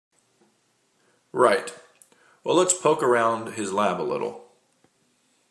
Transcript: Right, well let's poke around his lab a little.